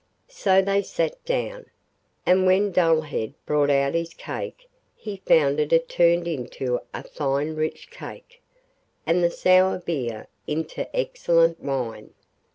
So they sat down, and when Dullhead brought out his cake he found it had turned into a fine rich cake, and the sour beer into excellent wine.